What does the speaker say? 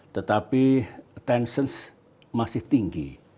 tetapi tensions masih tinggi